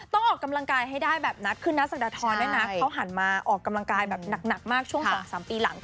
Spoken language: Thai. ออกกำลังกายให้ได้แบบนัดขึ้นนะศักดาทรเนี่ยนะเขาหันมาออกกำลังกายแบบหนักมากช่วง๒๓ปีหลัง